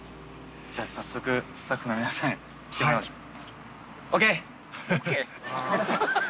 じゃ早速スタッフの皆さんに来てもらいましょう。